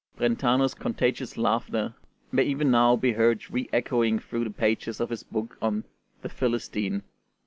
Brentano's contagious laughter may even now be heard re echoing through the pages of his book on 'The Philistine' (1811).